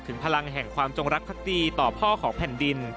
ถึงพลังแห่งความจงรับคตีต่อพ่อของแผ่นดิน